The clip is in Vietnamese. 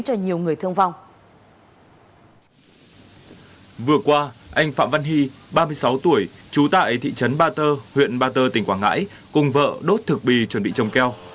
tại thị trấn ba tơ huyện ba tơ tỉnh quảng ngãi cùng vợ đốt thực bì chuẩn bị trồng keo